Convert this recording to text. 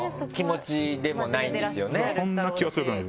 そんな気は強くない。